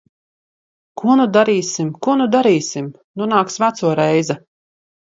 Ko nu darīsim? Ko nu darīsim? Nu nāks veco reize.